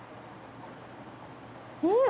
うん。